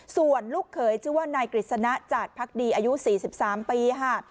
ส่วนลูกเขยชื่อว่านายกฤษณะจาดพักดีอายุ๔๓ปีค่ะ